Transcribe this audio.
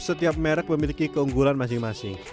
setiap merek memiliki keunggulan masing masing